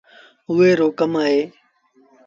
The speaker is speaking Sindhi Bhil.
اُئي رو ڪم اهي۔